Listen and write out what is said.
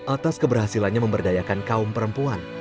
atas keberhasilannya memberdayakan kaum perempuan